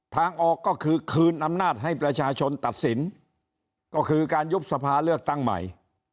ทางออกก็คือคืนอำนาจให้ประชาชนตัดสินก็คือการยุบสภาเลือกตั้งใหม่